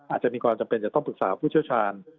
อาจจะมีความจำเป็นจะต้องปรึกษาผู้เชี่ยวชาญ